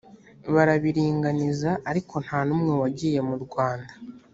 barabiringaniza ariko nta n umwe wagiye murwanda